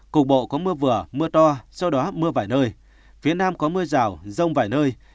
cục bộ có mưa vừa mưa to sau đó mưa vài nơi phía nam có mưa rào rông vài nơi